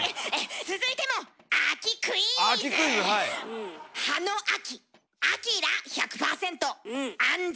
続いても秋クイズ！